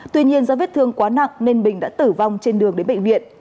tuy nhiên do vết thương quá nặng nên bình đã tử vong trên đường đến bệnh viện